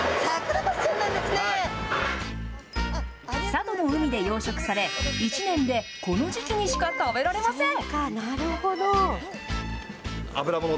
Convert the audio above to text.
佐渡の海で養殖され、１年でこの時期にしか食べられません。